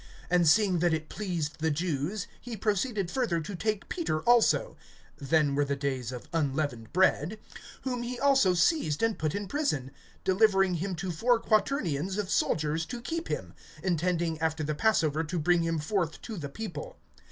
(3)And seeing that it pleased the Jews, he proceeded further to take Peter also; (then were the days of unleavened bread;) (4)whom he also seized and put in prison, delivering him to four quaternions of soldiers to keep him; intending after the passover to bring him forth to the people.